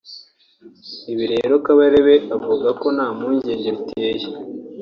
Ibi rero Kabarebe avuga ko nta mpungenge biteye